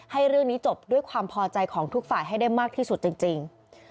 ให้เรื่องนี้จบด้วยความพอใจของทุกฝ่ายให้ได้มากที่สุดจริง